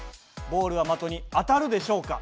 ボールは的に当たるでしょうか？